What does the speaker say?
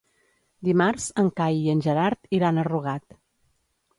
Dimarts en Cai i en Gerard iran a Rugat.